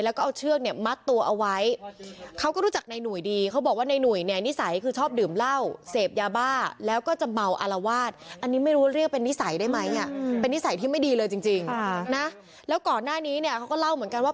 แล้วก่อนหน้านี้เนี่ยเขาก็เล่าเหมือนกันว่า